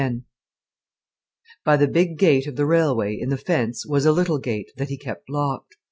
X By the big gate of the railway, in the fence, was a little gate, that he kept locked.